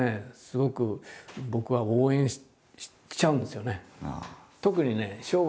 すごく僕は応援しちゃうんですよね。